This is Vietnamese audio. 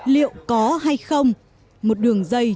liệu có hay không